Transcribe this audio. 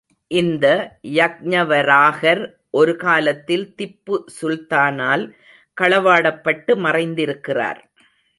இந்த யக்ஞவராகர் ஒரு காலத்தில் திப்பு சுல்தானால் களவாடப்பட்டு மறைந்திருக்கிறார்.